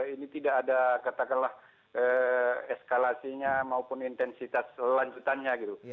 ini tidak ada katakanlah eskalasinya maupun intensitas selanjutannya gitu